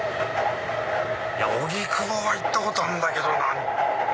荻窪は行ったことあるんだけどな。